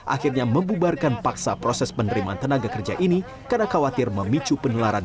akhirnya membubarkan paksa proses penerimaan tenaga kerja ini karena khawatir memicu penularan